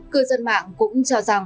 cơ dân mạng cũng cho giáo viên